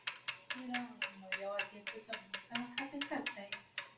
زه یوازې راغلم او یوازې به ځم دا حقیقت دی.